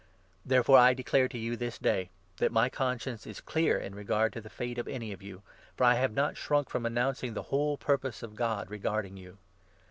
Therefore I declare to you this day, that my 26 conscience is clear in regard to the fate of any of you, for I 27 have not shrunk from announcing the whole purpose of God regarding you.